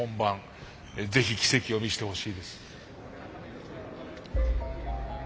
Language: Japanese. ぜひ奇跡を見せてほしいです。